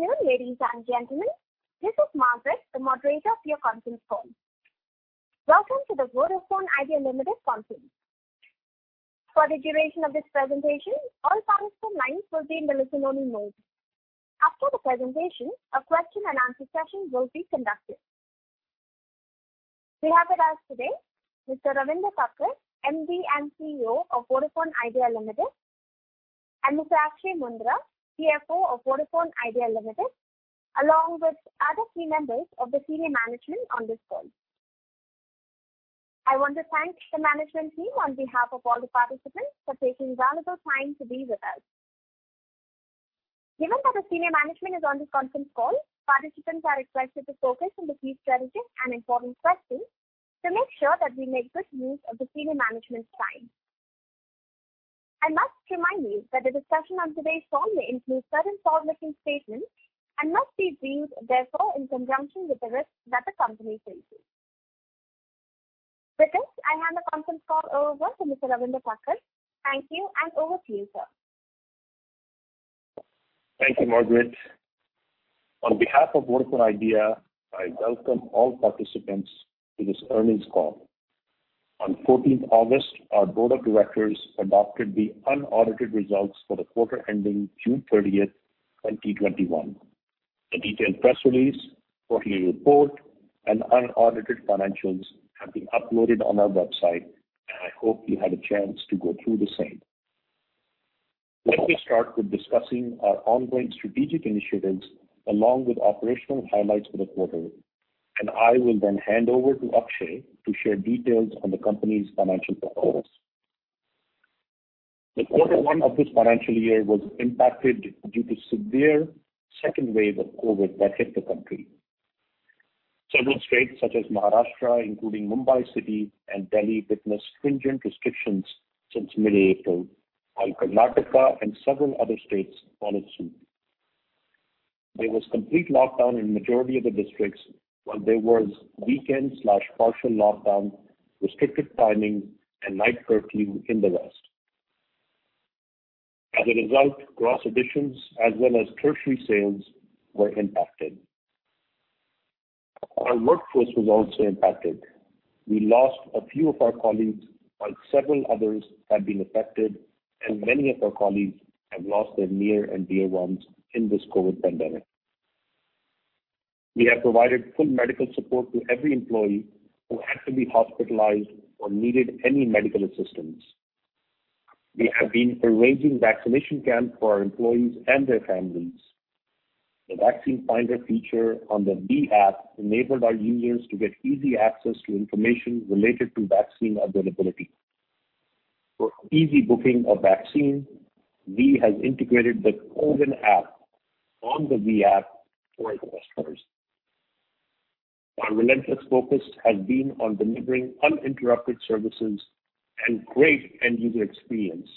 Good afternoon, ladies and gentlemen. This is Margaret, the moderator of your conference call. Welcome to the Vodafone Idea Limited Conference. For the duration of this presentation, all participant lines will be in listen-only mode. After the presentation, a question-and-answer session will be conducted. We have with us today Mr. Ravinder Takkar, MD & CEO of Vodafone Idea Limited, and Mr. Akshaya Moondra, CFO of Vodafone Idea Limited, along with other key members of the senior management on this call. I want to thank the management team on behalf of all the participants for taking valuable time to be with us. Given that the senior management is on this conference call, participants are requested to focus on the key strategic and informed questions to make sure that we make good use of the senior management's time. I must remind you that the discussion on today's call may include certain forward-looking statements and must be viewed therefore in conjunction with the risks that the company faces. With this, I hand the conference call over to Mr. Ravinder Takkar. Thank you, and over to you, sir. Thank you, Margaret. On behalf of Vodafone Idea, I welcome all participants to this earnings call. On 14th August, our board of directors adopted the unaudited results for the quarter ending June 30th, 2021. The detailed press release, quarterly report, and unaudited financials have been uploaded on our website, and I hope you had a chance to go through the same. Let me start with discussing our ongoing strategic initiatives along with operational highlights for the quarter, and I will then hand over to Akshay to share details on the company's financial performance. The quarter one of this financial year was impacted due to severe second wave of COVID that hit the country. Several states such as Maharashtra, including Mumbai City, and Delhi witnessed stringent restrictions since mid-April, while Karnataka and several other states followed suit. There was complete lockdown in majority of the districts while there was weekend/partial lockdown, restricted timing, and night curfew in the rest. As a result, gross additions as well as tertiary sales were impacted. Our workforce was also impacted. We lost a few of our colleagues, while several others have been affected, and many of our colleagues have lost their near and dear ones in this COVID pandemic. We have provided full medical support to every employee who had to be hospitalized or needed any medical assistance. We have been arranging vaccination camps for our employees and their families. The vaccine finder feature on the Vi app enabled our users to get easy access to information related to vaccine availability. For easy booking of vaccine, Vi has integrated the CoWIN app on the Vi app for our customers. Our relentless focus has been on delivering uninterrupted services and great end-user experience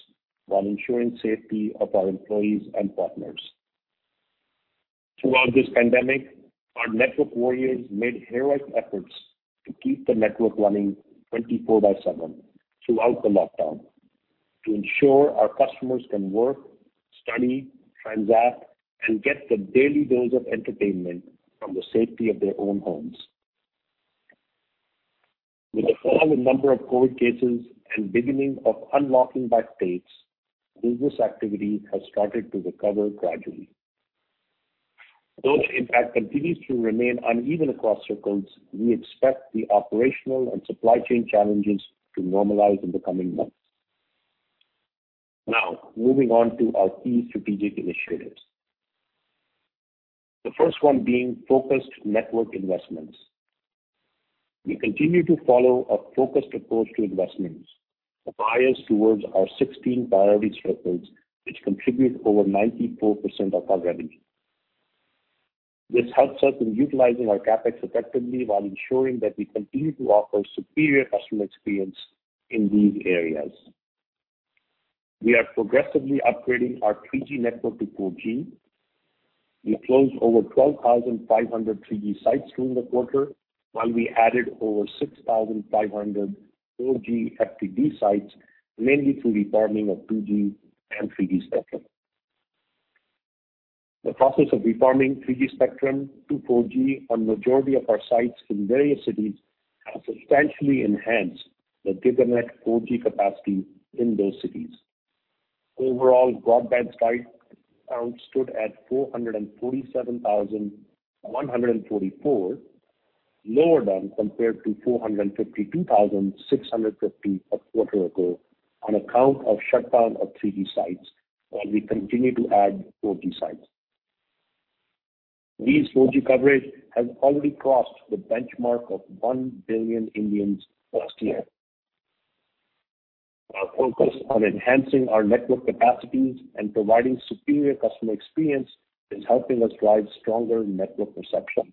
while ensuring safety of our employees and partners. Throughout this pandemic, our network warriors made heroic efforts to keep the network running 24/7 throughout the lockdown to ensure our customers can work, study, transact, and get their daily dose of entertainment from the safety of their own homes. With the fall in number of COVID cases and beginning of unlocking by states, business activity has started to recover gradually. The impact continues to remain uneven across circles, we expect the operational and supply chain challenges to normalize in the coming months. Moving on to our key strategic initiatives. The first one being focused network investments. We continue to follow a focused approach to investments, biased towards our 16 priority circles, which contribute over 94% of our revenue. This helps us in utilizing our CapEx effectively while ensuring that we continue to offer superior customer experience in these areas. We are progressively upgrading our 3G network to 4G. We closed over 12,500 3G sites during the quarter while we added over 6,500 4G FTD sites, mainly through reforming of 2G and 3G spectrum. The process of reforming 3G spectrum to 4G on majority of our sites in various cities has substantially enhanced the GigaNet 4G capacity in those cities. Overall, broadband site count stood at 447,144, lower down compared to 452,650 a quarter ago on account of shutdown of 3G sites while we continue to add 4G sites. Vi's 4G coverage has already crossed the benchmark of 1 billion Indians last year. Our focus on enhancing our network capacities and providing superior customer experience is helping us drive stronger network perception.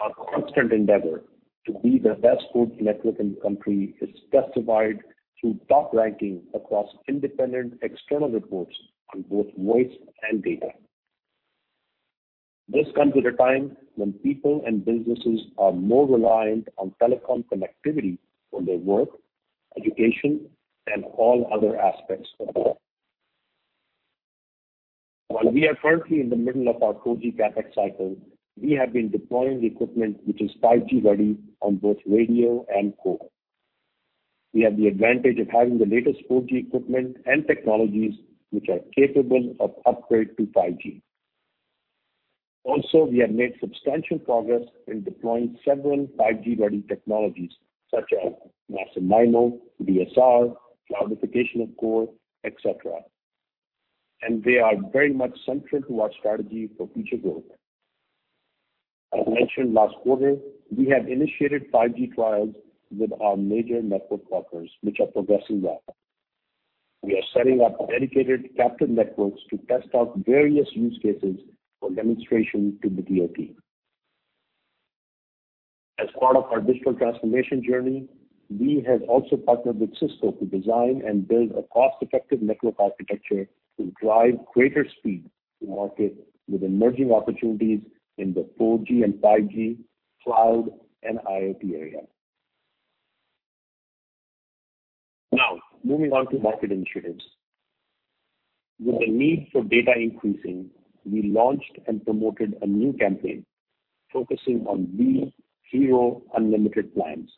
Our constant endeavor to be the best 4G network in the country is testified through top ranking across independent external reports on both voice and data. This comes at a time when people and businesses are more reliant on telecom connectivity for their work, education, and all other aspects of life. While we are currently in the middle of our 4G CapEx cycle, we have been deploying equipment which is 5G-ready on both radio and core. We have the advantage of having the latest 4G equipment and technologies, which are capable of upgrade to 5G. Also, we have made substantial progress in deploying several 5G-ready technologies such as Massive MIMO, DSR, cloudification of core, et cetera, and they are very much central to our strategy for future growth. As mentioned last quarter, we have initiated 5G trials with our major network partners, which are progressing well. We are setting up dedicated captive networks to test out various use cases for demonstration to the DOT. As part of our digital transformation journey, we have also partnered with Cisco to design and build a cost-effective network architecture to drive greater speed to market with emerging opportunities in the 4G and 5G, cloud, and IoT area. Moving on to market initiatives. With the need for data increasing, we launched and promoted a new campaign focusing on Vi Hero Unlimited plans.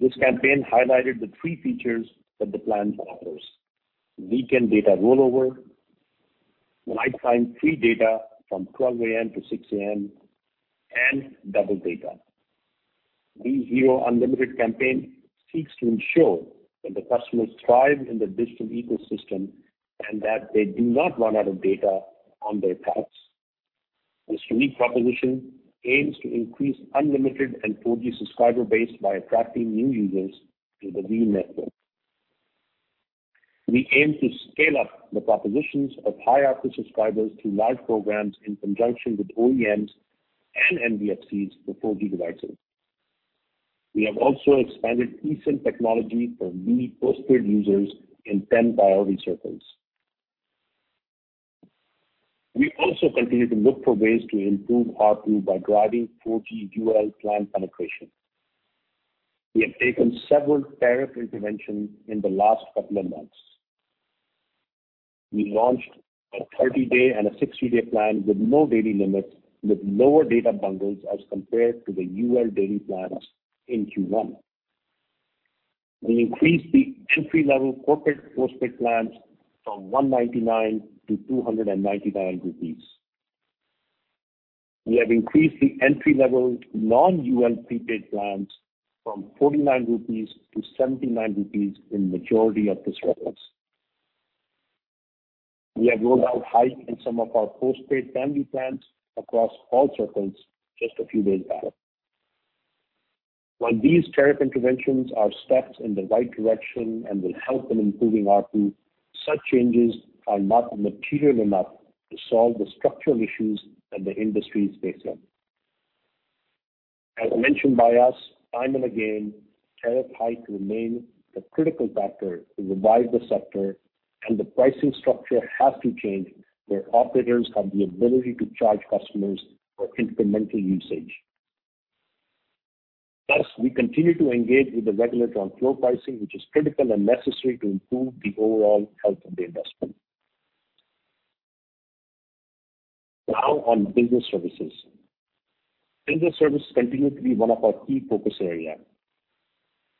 This campaign highlighted the three features that the plan offers: weekend data rollover, nighttime free data from 12:00 A.M. to 6:00 A.M., and double data. Vi Hero Unlimited campaign seeks to ensure that the customers thrive in the digital ecosystem and that they do not run out of data on their packs. This unique proposition aims to increase unlimited and 4G subscriber base by attracting new users to the Vi network. We aim to scale up the propositions of high ARPU subscribers through large programs in conjunction with OEMs and NBFCs for 4G devices. We have also expanded eSIM technology for Vi postpaid users in 10 priority circles. We also continue to look for ways to improve ARPU by driving 4G UL plan penetration. We have taken several tariff interventions in the last couple of months. We launched a 30-day and a 60-day plan with no daily limits with lower data bundles as compared to the UL daily plans in Q1. We increased the entry-level corporate postpaid plans from 199-299 rupees. We have increased the entry-level non-UL prepaid plans from 49-79 rupees in majority of the circles. We have rolled out hike in some of our postpaid family plans across all circles just a few days back. While these tariff interventions are steps in the right direction and will help in improving ARPU, such changes are not material enough to solve the structural issues that the industry is facing. As mentioned by us time and again, tariff hike remain the critical factor to revive the sector and the pricing structure has to change where operators have the ability to charge customers for incremental usage. We continue to engage with the regulator on floor pricing, which is critical and necessary to improve the overall health of the industry. On business services. Business service continue to be one of our key focus area.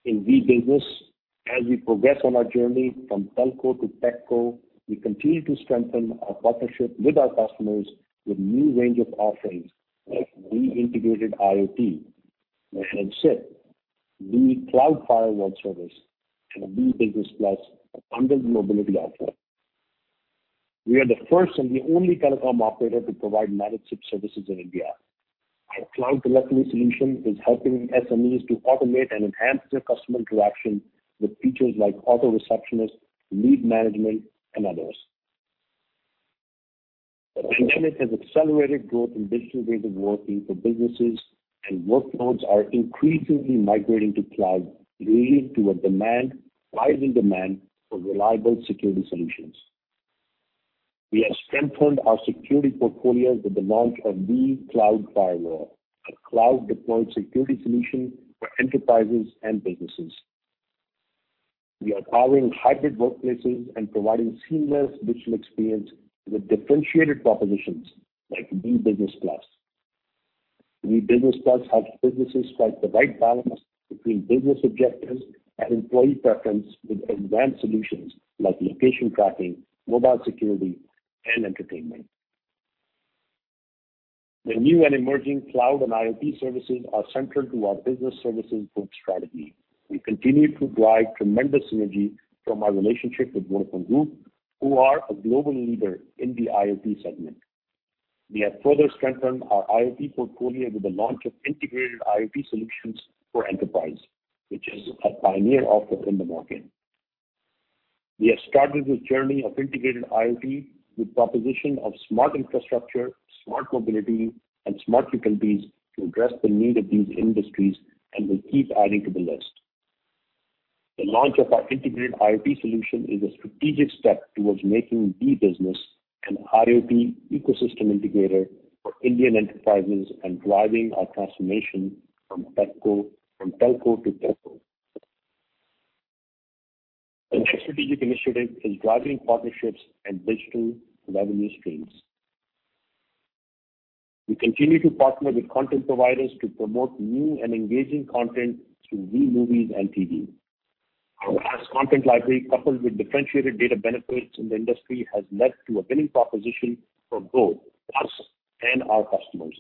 In Vi Business, as we progress on our journey from telco to techco, we continue to strengthen our partnership with our customers with new range of offerings like Vi Integrated IoT, Vi SIP, Vi Cloud Firewall service, and Vi Business Plus bundled mobility offer. We are the first and the only telecom operator to provide managed SIP services in India. Our cloud telephony solution is helping SMEs to automate and enhance their customer interaction with features like auto receptionist, lead management, and others. The pandemic has accelerated growth in digital ways of working for businesses, and workloads are increasingly migrating to cloud, leading to a rising demand for reliable security solutions. We have strengthened our security portfolio with the launch of Vi Cloud Firewall, a cloud-deployed security solution for enterprises and businesses. We are powering hybrid workplaces and providing seamless digital experience with differentiated propositions like Vi Business Plus. Vi Business Plus helps businesses strike the right balance between business objectives and employee preference with advanced solutions like location tracking, mobile security, and entertainment. The new and emerging cloud and IoT services are central to our business services growth strategy. We continue to drive tremendous synergy from our relationship with Vodafone Group, who are a global leader in the IoT segment. We have further strengthened our IoT portfolio with the launch of integrated IoT solutions for enterprise, which is a pioneer offer in the market. We have started this journey of integrated IoT with proposition of smart infrastructure, smart mobility, and smart utilities to address the need of these industries and will keep adding to the list. The launch of our integrated IoT solution is a strategic step towards making Vi Business an IoT ecosystem integrator for Indian enterprises and driving our transformation from Telco to Techco. A strategic initiative is driving partnerships and digital revenue streams. We continue to partner with content providers to promote new and engaging content through Vi Movies & TV. Our vast content library, coupled with differentiated data benefits in the industry, has led to a winning proposition for both us and our customers.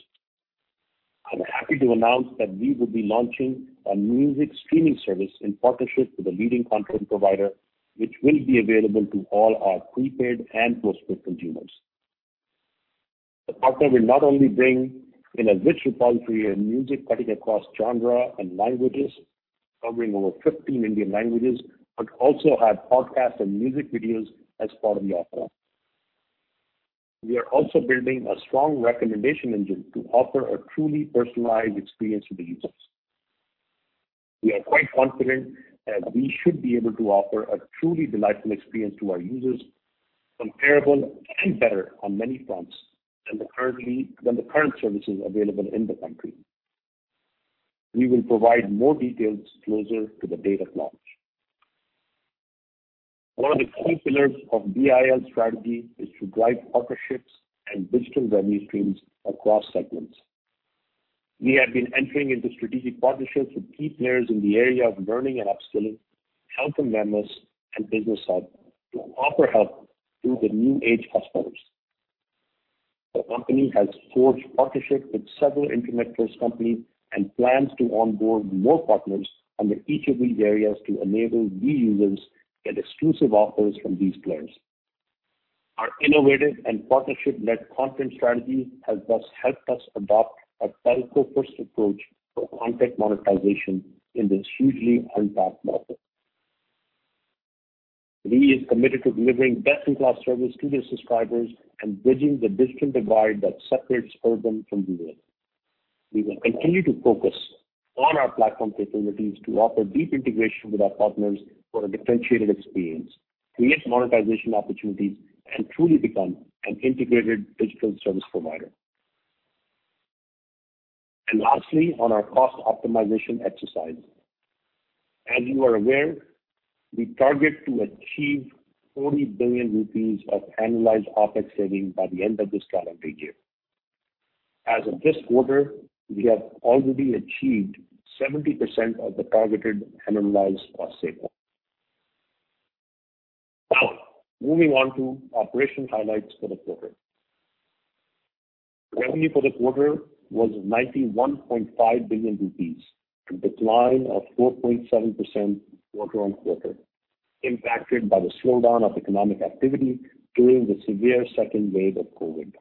I'm happy to announce that we will be launching a music streaming service in partnership with a leading content provider, which will be available to all our prepaid and postpaid consumers. The partner will not only bring in a rich repository of music cutting across genre and languages, covering over 15 Indian languages, but also have podcasts and music videos as part of the offer. We are also building a strong recommendation engine to offer a truly personalized experience to the users. We are quite confident that we should be able to offer a truly delightful experience to our users, comparable and better on many fronts than the current services available in the country. We will provide more details closer to the date of launch. One of the key pillars of VIL strategy is to drive partnerships and digital revenue streams across segments. We have been entering into strategic partnerships with key players in the area of learning and upskilling, health and wellness, and business hub to offer help to the new age customers. The company has forged partnerships with several internet-based companies and plans to onboard more partners under each of these areas to enable Vi users get exclusive offers from these players. Our innovative and partnership-led content strategy has thus helped us adopt a Telco first approach for content monetization in this hugely untapped market. Vi is committed to delivering best-in-class service to their subscribers and bridging the digital divide that separates urban from rural. We will continue to focus on our platform capabilities to offer deep integration with our partners for a differentiated experience, create monetization opportunities, and truly become an integrated digital service provider. Lastly, on our cost optimization exercise. As you are aware, we target to achieve 40 billion rupees of annualized OpEx savings by the end of this calendar year. As of this quarter, we have already achieved 70% of the targeted annualized cost savings. Moving on to operation highlights for the quarter. Revenue for the quarter was 91.5 billion rupees, a decline of 4.7% quarter-on-quarter, impacted by the slowdown of economic activity during the severe second wave of COVID.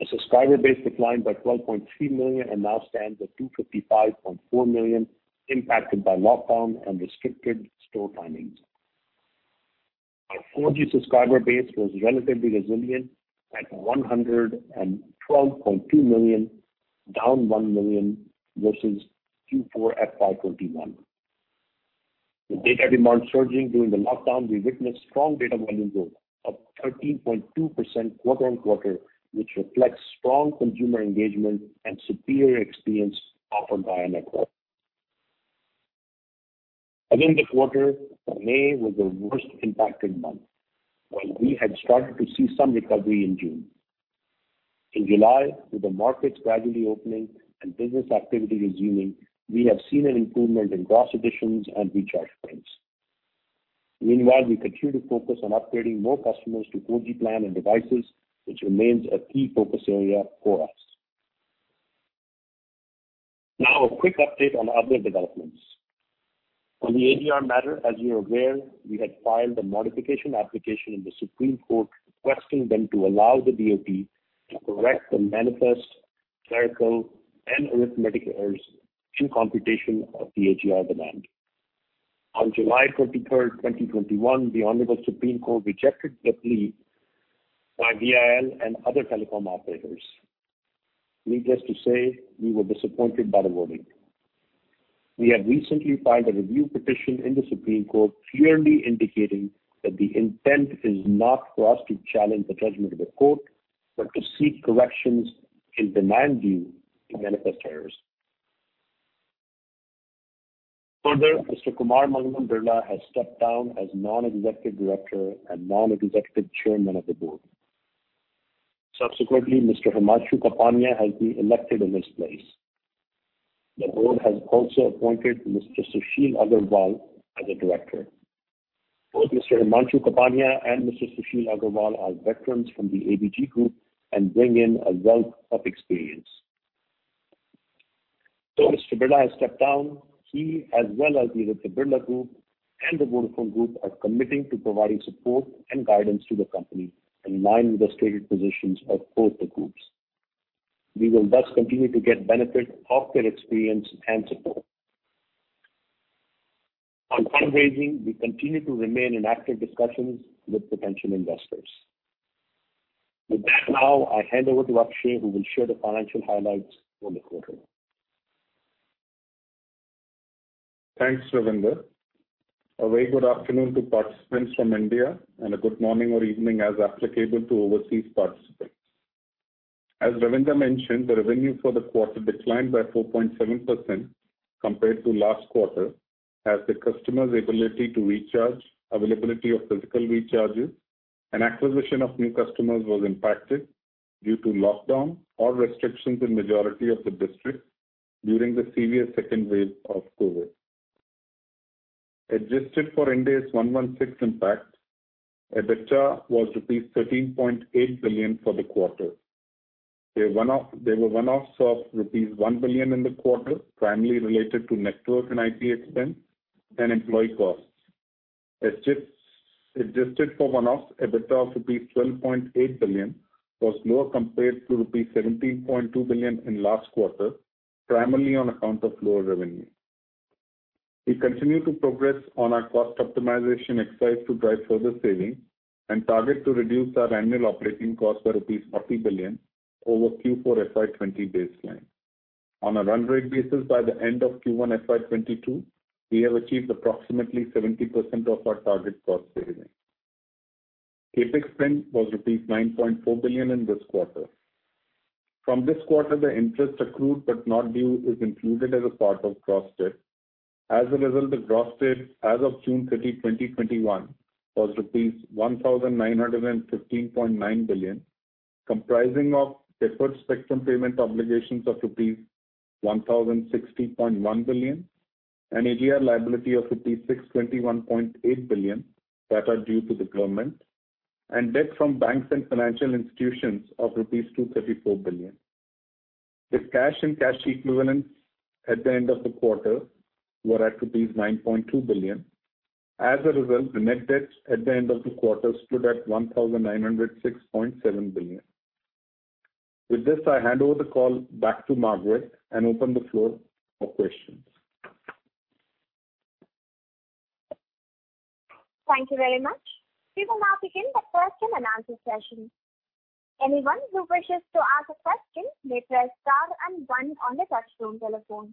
The subscriber base declined by 12.3 million and now stands at 255.4 million, impacted by lockdown and restricted store timings. Our 4G subscriber base was relatively resilient at 112.2 million, down 1 million versus Q4 FY 2021. The data demand surging during the lockdown, we witnessed strong data volume growth of 13.2% quarter-on-quarter, which reflects strong consumer engagement and superior experience offered by our network. In the quarter, May was the worst impacted month while we had started to see some recovery in June. In July, with the markets gradually opening and business activity resuming, we have seen an improvement in gross additions and recharge trends. Meanwhile, we continue to focus on upgrading more customers to 4G plan and devices, which remains a key focus area for us. Now, a quick update on other developments. On the AGR matter, as you are aware, we had filed a modification application in the Supreme Court requesting them to allow the DOT to correct the manifest, clerical, and arithmetic errors in computation of the AGR demand. On July 23rd, 2021, the Honorable Supreme Court rejected the plea by VIL and other telecom operators. Needless to say, we were disappointed by the ruling. We have recently filed a review petition in the Supreme Court clearly indicating that the intent is not for us to challenge the judgment of the court, but to seek corrections in demand due to manifest errors. Further, Mr. Kumar Mangalam Birla has stepped down as non-executive director and non-executive chairman of the board. Subsequently, Mr. Himanshu Kapania has been elected in his place. The board has also appointed Mr. Sushil Agarwal as a director. Both Mr. Himanshu Kapania and Mr. Sushil Agarwal are veterans from the ABG Group and bring in a wealth of experience. Though Mr. Birla has stepped down, he as well as the Aditya Birla Group and the Vodafone Group are committing to providing support and guidance to the company in line with the stated positions of both the groups. We will thus continue to get benefit of their experience and support. On fundraising, we continue to remain in active discussions with potential investors. With that now, I hand over to Akshay, who will share the financial highlights for the quarter. Thanks, Ravinder. A very good afternoon to participants from India, and a good morning or evening as applicable to overseas participants. As Ravinder mentioned, the revenue for the quarter declined by 4.7% compared to last quarter, as the customer's ability to recharge, availability of physical recharges, and acquisition of new customers was impacted due to lockdown or restrictions in majority of the districts during the severe second wave of COVID. Adjusted for Ind AS 116 impact, EBITDA was rupees 13.8 billion for the quarter. There were one-offs of rupees 1 billion in the quarter, primarily related to network and IP expense and employee costs. Adjusted for one-offs, EBITDA of rupees 12.8 billion was lower compared to rupees 17.2 billion in last quarter, primarily on account of lower revenue. We continue to progress on our cost optimization exercise to drive further savings and target to reduce our annual operating cost by rupees 40 billion over Q4 FY20 baseline. On a run rate basis by the end of Q1 FY22, we have achieved approximately 70% of our target cost savings. CapEx spend was rupees 9.4 billion in this quarter. From this quarter, the interest accrued but not due is included as a part of gross debt. The gross debt as of June 30, 2021, was rupees 1,915.9 billion, comprising of deferred spectrum payment obligations of rupees 1,060.1 billion, an AGR liability of rupees 621.8 billion that are due to the government, and debt from banks and financial institutions of rupees 234 billion. The cash and cash equivalents at the end of the quarter were at rupees 9.2 billion. As a result, the net debt at the end of the quarter stood at 1,906.7 billion. With this, I hand over the call back to Margaret and open the floor for questions. Thank you very much. We will now begin the question-and-answer session. Anyone who wishes to ask a question may press star and one on the touchtone telephone.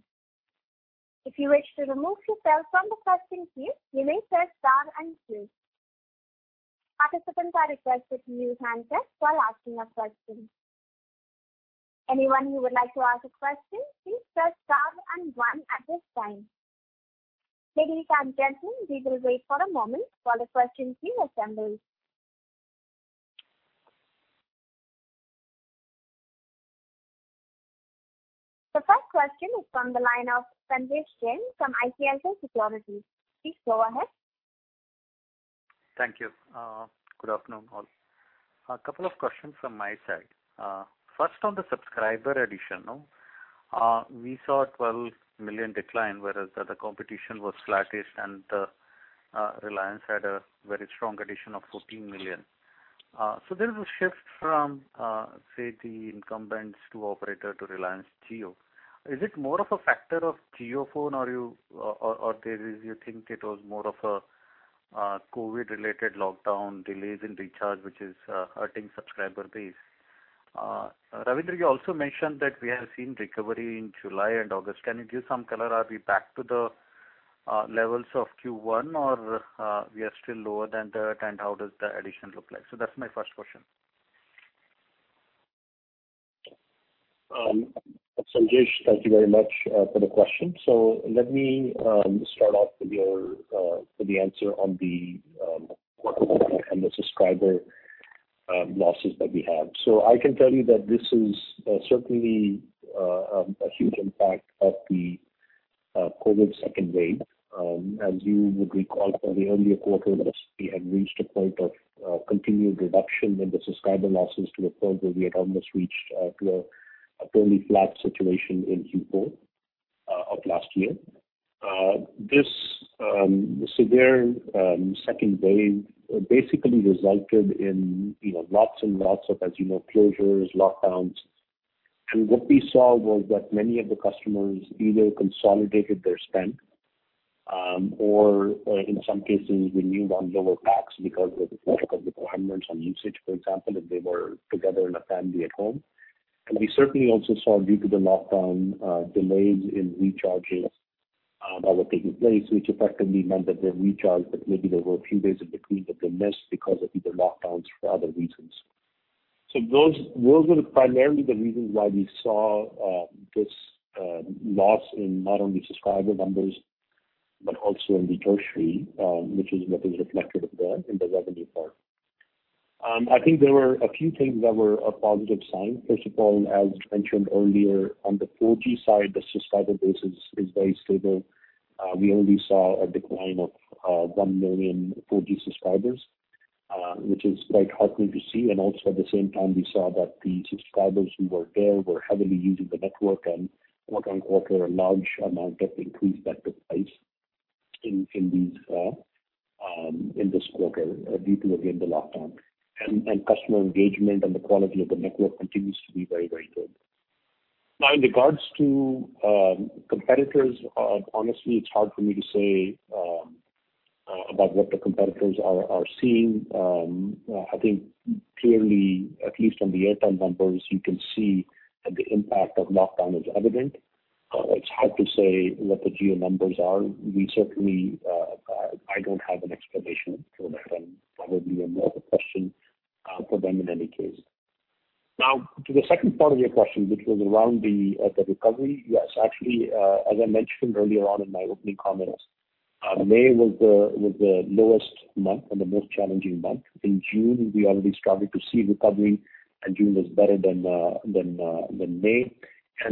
If you wish to remove yourself from the question queue, you may press star and two. Participants are requested to use handset while asking a question. Anyone who would like to ask a question, please press star and one at this time. Ladies and gentlemen, we will wait for a moment for the questions to assemble. The first question is from the line of Sanjesh Jain from ICICI Securities. Please go ahead. Thank you. Good afternoon, all. A couple of questions from my side. First, on the subscriber addition. We saw 12 million decline, whereas the competition was flattish and Reliance had a very strong addition of 14 million. There is a shift from, say, the incumbents to operator to Reliance. Is it more of a factor of JioPhone or do you think it was more of a COVID-related lockdown delays in recharge, which is hurting subscriber base? Ravinder, you also mentioned that we have seen recovery in July and August. Can you give some color? Are we back to the levels of Q1 or we are still lower than that, and how does the addition look like? That's my first question. Sanjesh, thank you very much for the question. Let me start off with the answer on the subscriber losses that we have. I can tell you that this is certainly a huge impact of the COVID second wave. As you would recall from the earlier quarter, that we had reached a point of continued reduction in the subscriber losses to a point where we had almost reached to a fairly flat situation in Q4 of last year. This severe second wave basically resulted in lots and lots of, as you know, closures, lockdowns. What we saw was that many of the customers either consolidated their spend or, in some cases, renewed on lower packs because of the protocol requirements on usage, for example, if they were together in a family at home. We certainly also saw, due to the lockdown, delays in recharges that were taking place, which effectively meant that they recharged, but maybe there were a few days in between that they missed because of either lockdowns for other reasons. Those were primarily the reasons why we saw this loss in not only subscriber numbers, but also in the treasury, which is what is reflected there in the revenue part. I think there were a few things that were a positive sign. First of all, as mentioned earlier, on the 4G side, the subscriber base is very stable. We only saw a decline of 1 million 4G subscribers, which is quite heartening to see. Also at the same time, we saw that the subscribers who were there were heavily using the network and quarter-on-quarter, a large amount of increase that took place in this quarter due to, again, the lockdown. Customer engagement and the quality of the network continues to be very, very good. Now, in regards to competitors, honestly, it's hard for me to say about what the competitors are seeing. I think clearly, at least on the Airtel numbers, you can see that the impact of lockdown is evident. It's hard to say what the Jio numbers are. I don't have an explanation for that, and that would be more of a question for them, in any case. Now, to the second part of your question, which was around the recovery. Yes, actually, as I mentioned earlier on in my opening comments, May was the lowest month and the most challenging month. In June, we already started to see recovery, and June was better than May.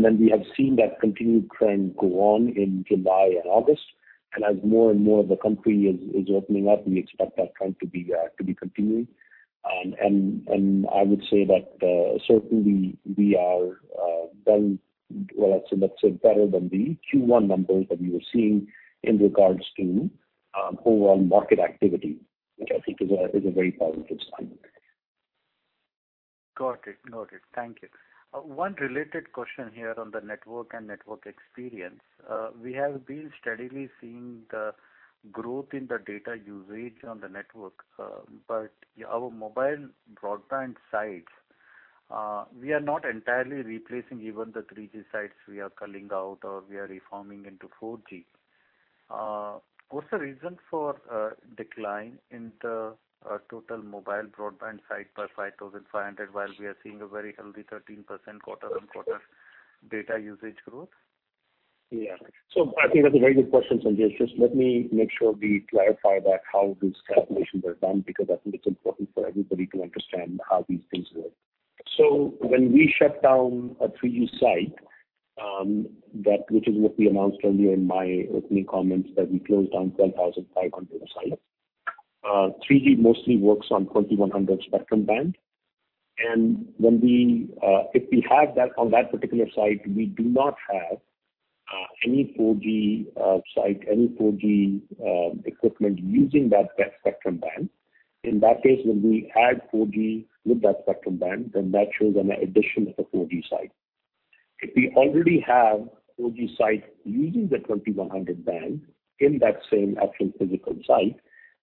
Then we have seen that continued trend go on in July and August. As more and more of the country is opening up, we expect that trend to be continuing. I would say that, certainly, we are well, let's say, better than the Q1 numbers that we were seeing in regards to overall market activity, which I think is a very positive sign. Got it. Thank you. One related question here on the network and network experience. We have been steadily seeing the growth in the data usage on the network, but our mobile broadband sites, we are not entirely replacing even the 3G sites we are culling out or we are reforming into 4G. What's the reason for a decline in the total mobile broadband site by 5,500, while we are seeing a very healthy 13% quarter-on-quarter data usage growth? Yeah. I think that's a very good question, Sanjesh. Let me make sure we clarify that how these calculations were done, because I think it's important for everybody to understand how these things work. When we shut down a 3G site, which is what we announced earlier in my opening comments, that we closed down 12,500 sites. 3G mostly works on 2100 spectrum band. If we have that on that particular site, we do not have any 4G site, any 4G equipment using that spectrum band. In that case, when we add 4G with that spectrum band, then that shows an addition of a 4G site. If we already have 4G site using the 2100 band in that same actual physical site,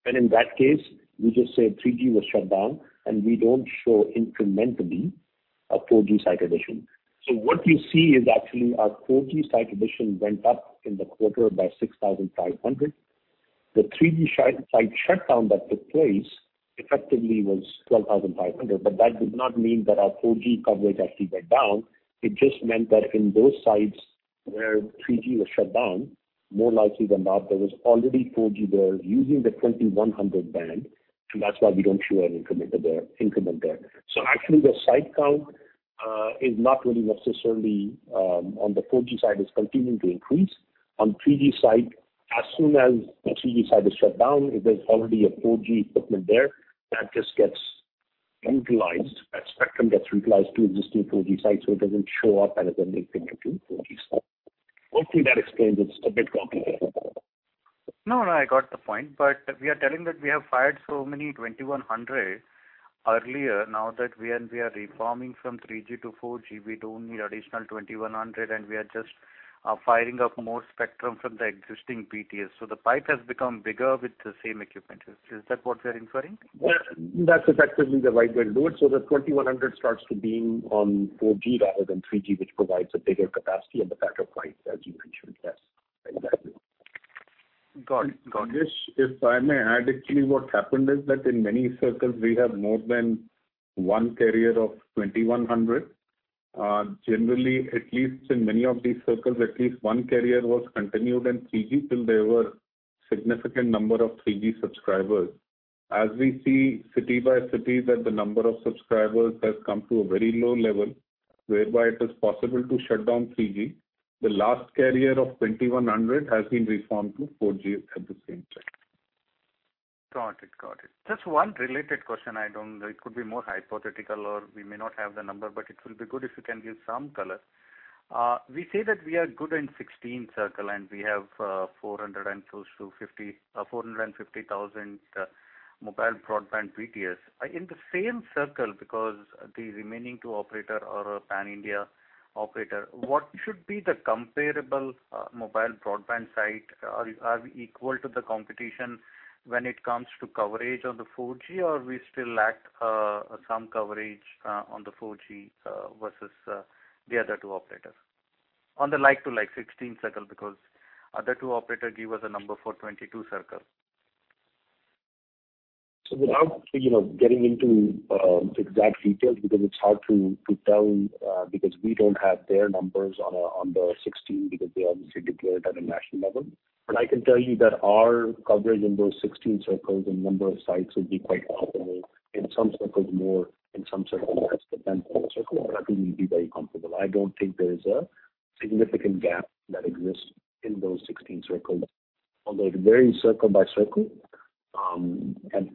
then in that case, we just say 3G was shut down, and we don't show incrementally a 4G site addition. What you see is actually our 4G site addition went up in the quarter by 6,500. The 3G site shutdown that took place effectively was 12,500, but that does not mean that our 4G coverage actually went down. It just meant that in those sites where 3G was shut down, more likely than not, there was already 4G there using the 2100 band. That's why we don't show an increment there. Actually, the site count on the 4G side is continuing to increase. On 3G site, as soon as the 3G site is shut down, if there's already a 4G equipment there, that just gets utilized. That spectrum gets utilized to existing 4G sites, it doesn't show up as a new thing, a new 4G site. Hopefully, that explains it. It's a bit complicated. I got the point, we are telling that we have fired so many 2100 earlier. Now that we are reforming from 3G-4G, we don't need additional 2100, we are just firing up more spectrum from the existing BTS. The pipe has become bigger with the same equipment. Is that what we are inferring? That's effectively the right way to do it. The 2100 starts to beam on 4G rather than 3G, which provides a bigger capacity and the better pipes, as you mentioned. Yes, exactly. Got it. Sanjay, if I may add, actually, what happened is that in many circles, we have more than one carrier of 2100. Generally, at least in many of these circles, at least one carrier was continued in 3G till there were significant number of 3G subscribers. As we see city-by-city, that the number of subscribers has come to a very low level, whereby it is possible to shut down 3G. The last carrier of 2100 has been reformed to 4G at the same time. Got it. Just one related question. It could be more hypothetical, or we may not have the number, but it will be good if you can give some color. We say that we are good in 16 circles, and we have 450,000 mobile broadband BTS. In the same circles, because the remaining two operators are a Pan-India operator, what should be the comparable mobile broadband site? Are we equal to the competition when it comes to coverage on the 4G, or we still lack some coverage on the 4G, versus the other two operators? On the like-to-like 16 circles, because other two operators give us a number for 22 circles. Without getting into the exact details, because it's hard to tell, because we don't have their numbers on the 16, because they obviously declare it at a national level. I can tell you that our coverage in those 16 circles and number of sites will be quite comparable. In some circles, more, in some circles, less. All circles, I think we'd be very comfortable. I don't think there is a significant gap that exists in those 16 circles, although it vary circle by circle.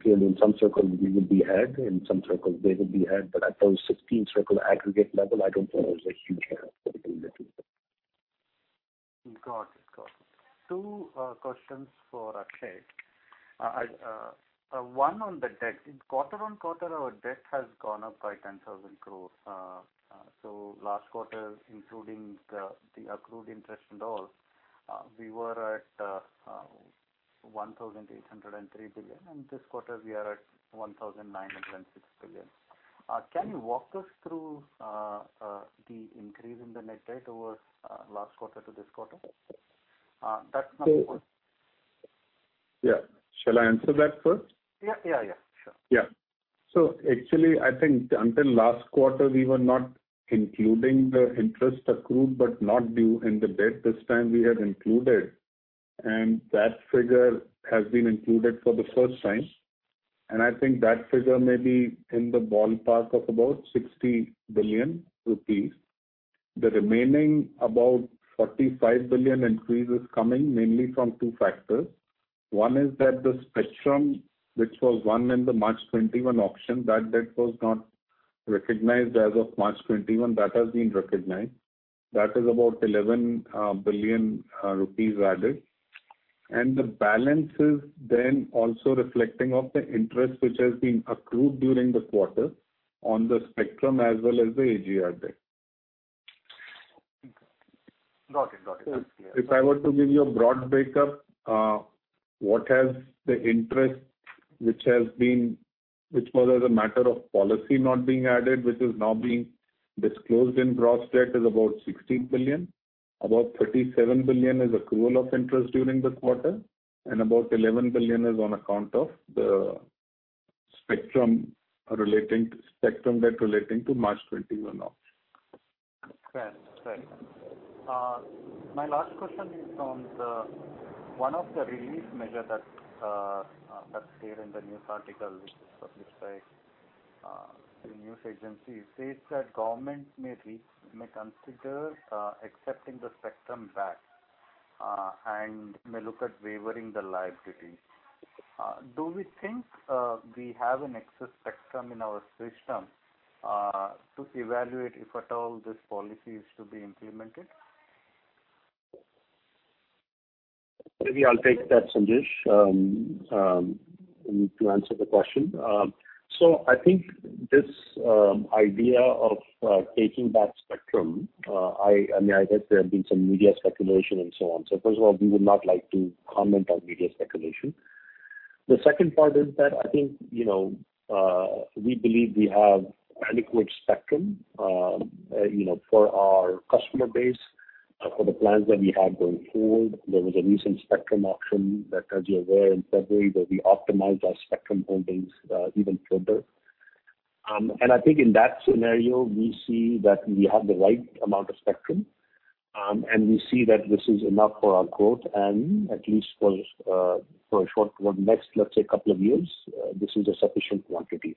Clearly, in some circles, we would be ahead, in some circles, they would be ahead. At those 16 circle aggregate level, I don't think there's a huge gap between them. Got it. Two questions for Akshay. One on the debt. Quarter on quarter, our debt has gone up by 10,000 crore. Last quarter, including the accrued interest and all, we were at 1,803 billion, and this quarter we are at 1,906 billion. Can you walk us through the increase in the net debt over last quarter to this quarter? That's my first. Yeah. Shall I answer that first? Yeah, sure. Actually, I think until last quarter, we were not including the interest accrued, but not due in the debt. This time we had included, and that figure has been included for the first time. I think that figure may be in the ballpark of about 60 billion rupees. The remaining, about 45 billion rupees increase, is coming mainly from two factors. One is that the spectrum, which was won in the March 2021 auction, that debt was not recognized as of March 2021. That has been recognized. That is about 11 billion rupees added. The balance is then also reflecting off the interest which has been accrued during the quarter on the spectrum as well as the AGR debt. Got it. That's clear. If I were to give you a broad breakup, what has the interest, which was as a matter of policy not being added, which is now being disclosed in gross debt, is about 60 billion. About 37 billion is accrual of interest during this quarter, and about 11 billion is on account of the spectrum debt relating to March 2021 auction. Fair. My last question is on one of the relief measure that's there in the news article, which is published by the news agency, says that government may consider accepting the spectrum back, and may look at waiving the liability. Do we think we have an excess spectrum in our system to evaluate, if at all, this policy is to be implemented? Maybe I'll take that, Sanjesh, to answer the question. I think this idea of taking back spectrum, I guess there have been some media speculation and so on. First of all, we would not like to comment on media speculation. The second part is that I think, we believe we have adequate spectrum for our customer base, for the plans that we have going forward. There was a recent spectrum auction that, as you're aware, in February, where we optimized our spectrum holdings, even further. I think in that scenario, we see that we have the right amount of spectrum. We see that this is enough for our growth and at least for a short, next, let's say, two years, this is a sufficient quantity.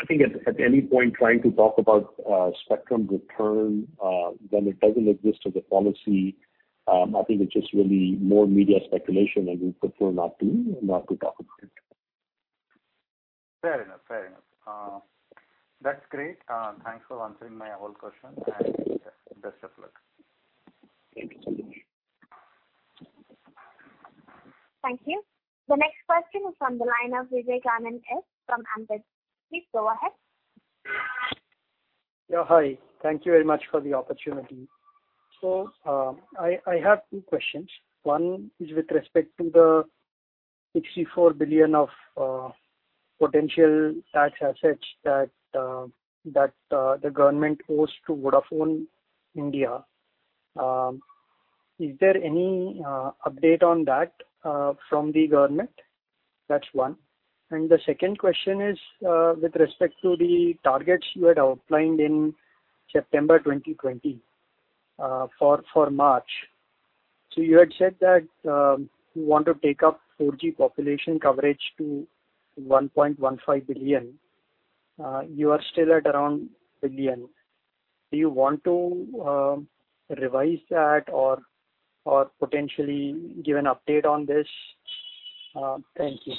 I think at any point, trying to talk about spectrum return, when it doesn't exist as a policy, I think it's just really more media speculation and we prefer not to talk about it. Fair enough. That's great. Thanks for answering my whole question and best of luck. Thank you. Thank you. The next question is from the line of Vijay Kannan from Ambit. Please go ahead. Yeah. Hi. Thank you very much for the opportunity. I have two questions. One is with respect to the 64 billion of potential tax assets that the government owes to Vodafone India. Is there any update on that from the government? That's one. The second question is, with respect to the targets you had outlined in September 2020, for March. You had said that you want to take up 4G population coverage to 1.15 billion. You are still at around billion. Do you want to revise that or potentially give an update on this? Thank you.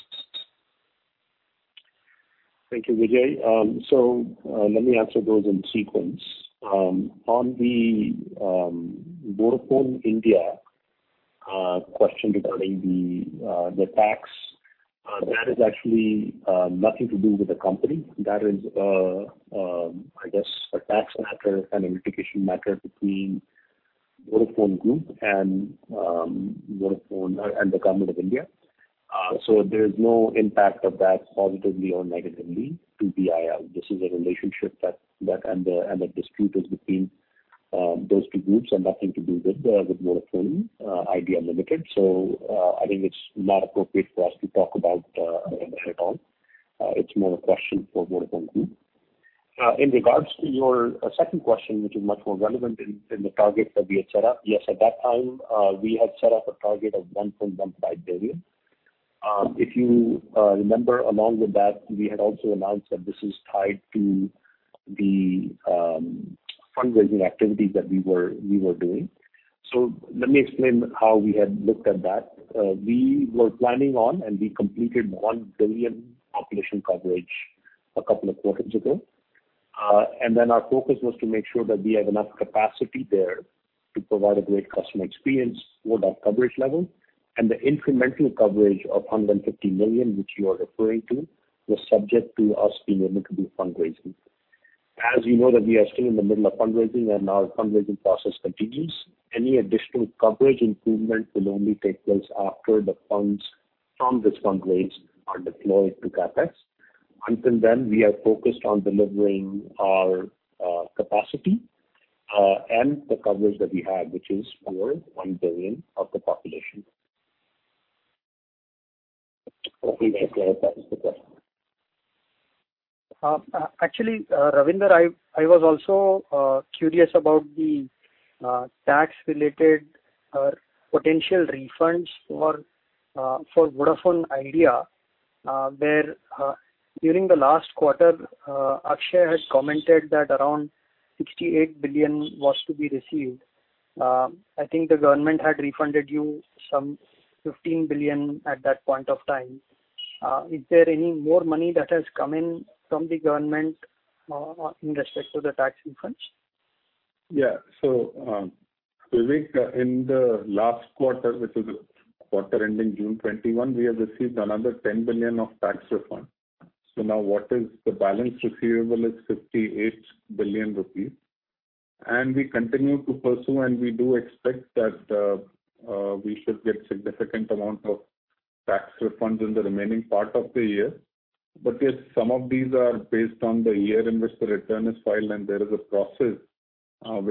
Thank you, Vijay. Let me answer those in sequence. On the Vodafone India question regarding the tax, that is actually nothing to do with the company. That is, I guess, a tax matter and a litigation matter between Vodafone Group and the Government of India. There's no impact of that positively or negatively to Vi. This is a relationship and a dispute between those two groups and nothing to do with Vodafone Idea Limited. I think it's not appropriate for us to talk about it at all. It's more a question for Vodafone Group. In regards to your second question, which is much more relevant in the target that we had set up. Yes, at that time, we had set up a target of 1.15 billion. If you remember, along with that, we had also announced that this is tied to the fundraising activity that we were doing. Let me explain how we had looked at that. We were planning on, and we completed 1 billion population coverage a couple of quarters ago. Then our focus was to make sure that we have enough capacity there to provide a great customer experience for that coverage level, and the incremental coverage of 150 million, which you are referring to, was subject to us being able to do fundraising. As you know that we are still in the middle of fundraising and our fundraising process continues. Any additional coverage improvement will only take place after the funds from this fundraise are deployed to CapEx. Until then, we are focused on delivering our capacity, and the coverage that we have, which is over 1 billion of the population. Hopefully, I've cleared that as the question. Ravinder, I was also curious about the tax-related or potential refunds for Vodafone Idea, where, during the last quarter, Akshay had commented that around 68 billion was to be received. I think the government had refunded you some 15 billion at that point of time. Is there any more money that has come in from the government in respect to the tax refunds? Yeah. Vijay, in the last quarter, which is quarter ending June 2021, we have received another 10 billion of tax refund. Now what is the balance receivable is 58 billion rupees. We continue to pursue, and we do expect that we should get significant amount of tax refunds in the remaining part of the year. Yes, some of these are based on the year in which the return is filed, and there is a process, or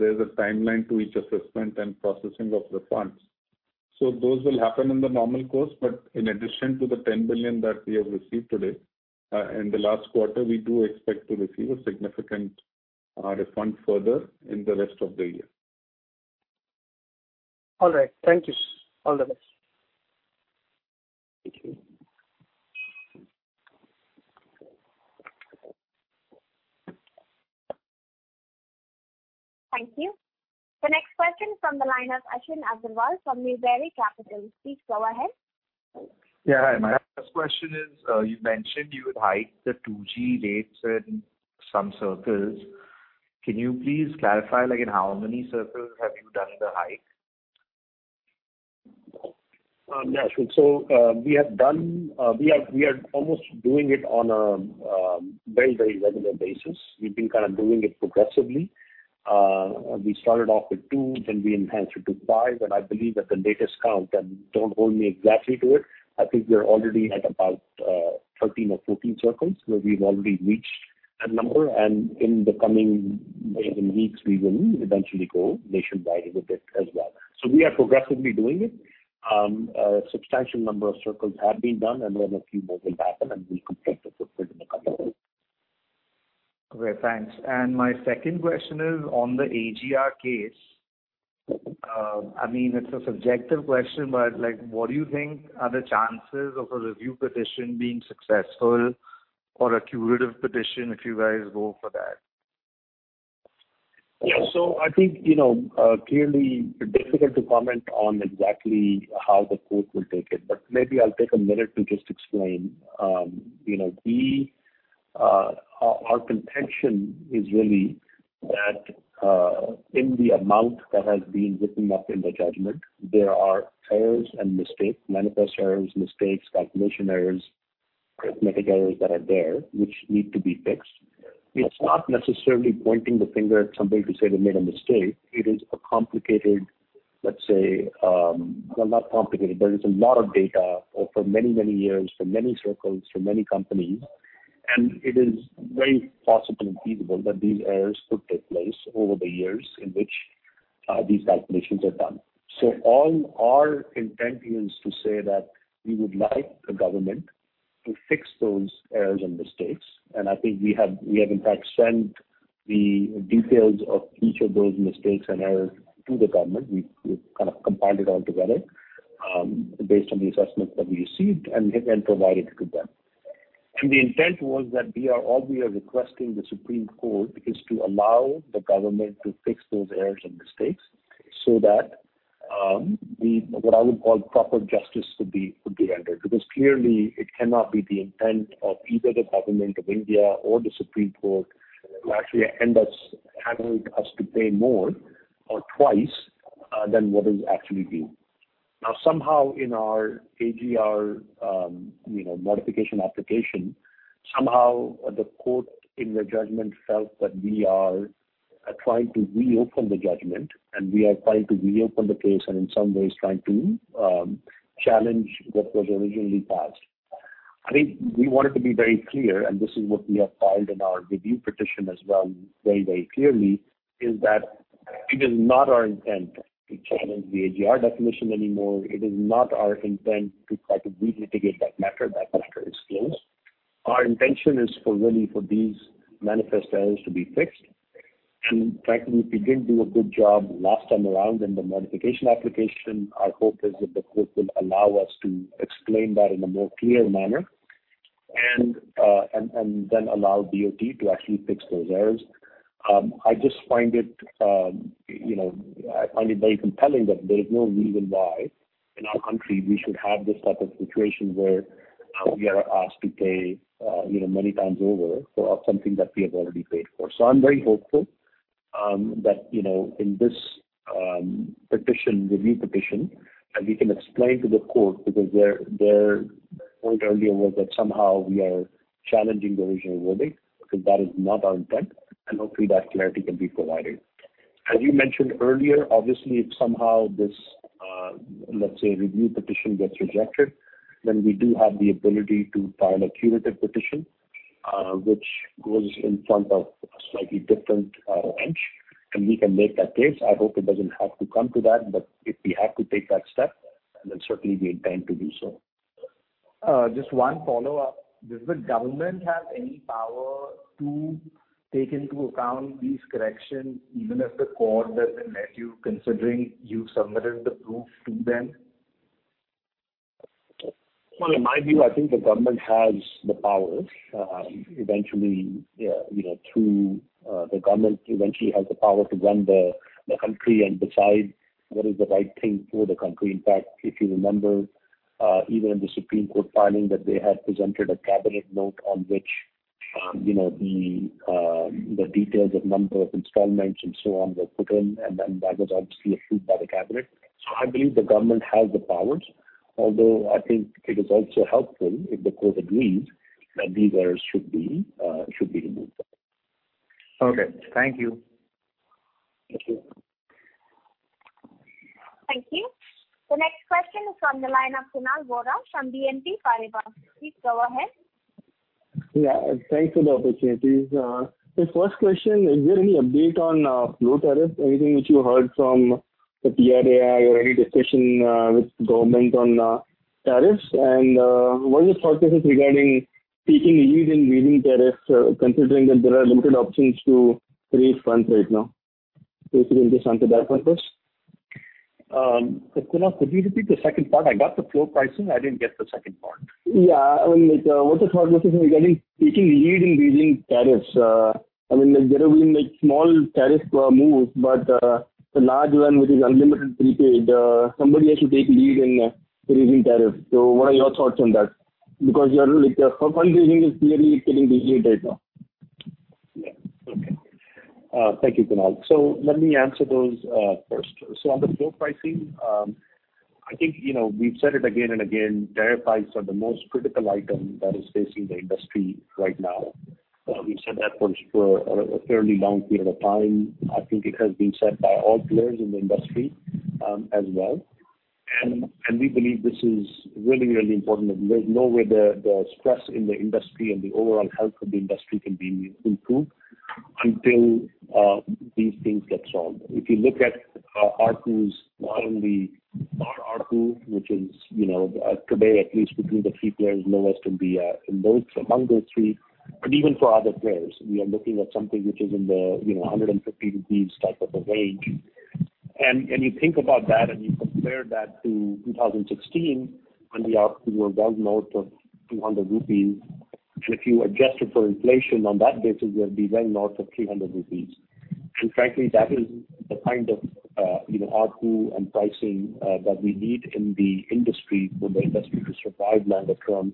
there is a timeline to each assessment and processing of refunds. Those will happen in the normal course. In addition to the 10 billion that we have received today, in the last quarter, we do expect to receive a significant refund further in the rest of the year. All right. Thank you. All the best. Thank you. Thank you. The next question from the line of Ashwin Agarwal from Newberry Capital. Please go ahead. Yeah, hi. My first question is, you mentioned you would hike the 2G rates in some circles. Can you please clarify, again, how many circles have you done the hike? Yeah, sure. We are almost doing it on a very regular basis. We've been kind of doing it progressively. We started off with two, then we enhanced it to five, and I believe at the latest count, and don't hold me exactly to it, I think we're already at about 13 or 14 circles where we've already reached that number. In the coming weeks, we will eventually go nationwide with it as well. We are progressively doing it. A substantial number of circles have been done, and then a few more will happen, and we complete the footprint in a couple of weeks. Okay, thanks. My second question is on the AGR case. It's a subjective question, what do you think are the chances of a review petition being successful or a curative petition, if you guys go for that? I think, clearly difficult to comment on exactly how the court will take it, but maybe I'll take a minute to just explain. Our contention is really that, in the amount that has been written up in the judgment, there are errors and mistakes, manifest errors, mistakes, calculation errors, arithmetic errors that are there, which need to be fixed. It's not necessarily pointing the finger at somebody to say they made a mistake. It is a complicated, let's say, not complicated, but it's a lot of data over many years, for many circles, for many companies. It is very possible and feasible that these errors could take place over the years in which these calculations are done. All our intent here is to say that we would like the government to fix those errors and mistakes. I think we have, in fact, sent the details of each of those mistakes and errors to the Government. We've kind of compiled it all together, based on the assessments that we received and then provided it to them. The intent was that all we are requesting the Supreme Court is to allow the Government to fix those errors and mistakes so that the, what I would call proper justice, could be rendered. Clearly, it cannot be the intent of either the Government of India or the Supreme Court to actually end up having us to pay more or twice than what is actually due. Somehow in our AGR modification application, somehow the court, in their judgment, felt that we are trying to reopen the judgment, and we are trying to reopen the case and in some ways trying to challenge what was originally passed. I think we wanted to be very clear, and this is what we have filed in our review petition as well, very clearly, is that it is not our intent to challenge the AGR definition anymore. It is not our intent to try to relitigate that matter. That matter is closed. Our intention is really for these manifest errors to be fixed. Frankly, if we didn't do a good job last time around in the modification application, our hope is that the court will allow us to explain that in a more clear manner, and then allow DOT to actually fix those errors. I just find it very compelling that there is no reason why in our country we should have this type of situation where we are asked to pay many times over for something that we have already paid for. I'm very hopeful that in this review petition, we can explain to the court, because their point earlier was that somehow we are challenging the original verdict, because that is not our intent, and hopefully that clarity can be provided. As you mentioned earlier, obviously, if somehow this, let's say, review petition gets rejected, then we do have the ability to file a curative petition, which goes in front of a slightly different bench, and we can make that case. I hope it doesn't have to come to that, but if we have to take that step, then certainly we intend to do so. Just one follow-up. Does the government have any power to take into account these corrections, even if the court doesn't let you, considering you've submitted the proof to them? Well, in my view, I think the Government has the powers. The Government eventually has the power to run the country and decide what is the right thing for the country. In fact, if you remember, even in the Supreme Court filing, that they had presented a Cabinet note on which the details of number of installments and so on were put in, and then that was obviously approved by the Cabinet. I believe the Government has the powers, although I think it is also helpful if the Court agrees that these errors should be removed. Okay. Thank you. Thank you. Thank you. The next question is on the line of Kunal Vora from BNP Paribas. Please go ahead. Yeah, thanks for the opportunity. The first question, is there any update on flow tariffs, anything which you heard from the TRAI or any discussion with government on tariffs? What are your thoughts regarding taking lead in raising tariffs, considering that there are limited options to raise funds right now? If you can just answer that one first. Kunal, could you repeat the second part? I got the flow pricing. I didn't get the second part. What are your thoughts regarding taking lead in raising tariffs? There have been small tariff moves, but the large one, which is unlimited prepaid, somebody has to take lead in raising tariffs. What are your thoughts on that? Your fund raising is clearly getting delayed right now. Thank you, Kunal. Let me answer those first. On the floor pricing, I think, we've said it again and again, tariff hikes are the most critical item that is facing the industry right now. We've said that for a fairly long period of time. I think it has been said by all players in the industry as well. We believe this is really, really important. There's no way the stress in the industry and the overall health of the industry can be improved until these things get solved. If you look at ARPU, not only our ARPU, which is today, at least between the three players, lowest among those three, and even for other players. We are looking at something which is in the 150 type of a range. You think about that, and you compare that to 2016, when the ARPU was well north of 200 rupees. If you adjusted for inflation on that basis, it would be well north of 300 rupees. Frankly, that is the kind of ARPU and pricing that we need in the industry for the industry to survive longer term